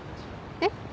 えっ？